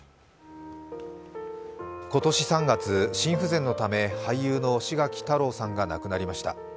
今年３月、心不全のため、俳優の志垣太郎さんが亡くなりました。